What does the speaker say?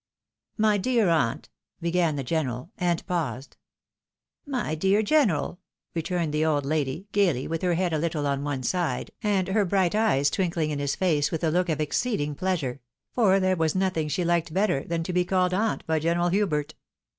" My dear aunt !" began the general, and paused. "My dear general !" returned the old lady, gaily, with her head a little on one side, and her bright eyes twinkling in his face, with a look of exceeding pleasure ; for there was nothing she liked better than to be called " aunt" by General Hubert.